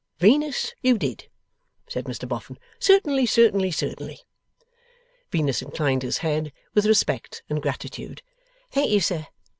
'Venus, you did,' said Mr Boffin. 'Certainly, certainly, certainly.' Venus inclined his head with respect and gratitude. 'Thank you, sir.